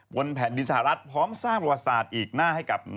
บนแผ่นดินสหรัฐพร้อมสร้างประวัติศาสตร์อีกหน้าให้กับ